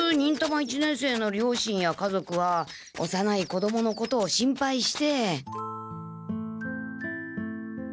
一年生の両親や家族はおさない子どものことを心配して。